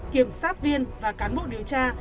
kiểm sát viên và cán bộ điều tra